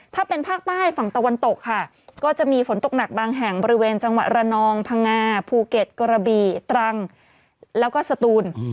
ถ้าเป็นภาคใต้ฝั่งตะวันตกค่ะก็จะมีฝนตกหนักบางแห่งบริเวณจังหวัดระนองพังงาภูเก็ตกระบีตรังแล้วก็สตูน